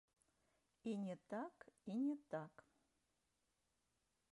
І не так, і не так!